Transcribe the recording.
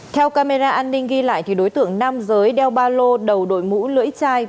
theo camera an ninh ghi lại đối tượng nam giới đeo ba lô đầu đội mũ lưỡi chai